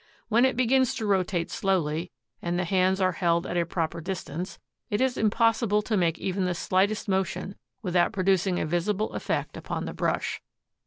When it be gins to rotate slowly, and the hands are held at a proper distance, it is impossible to make even the slightest motion without producing a visible effect upon the brush.